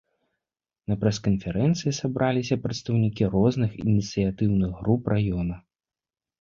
На прэс-канферэнцыі сабраліся прадстаўнікі розных ініцыятыўных груп раёна.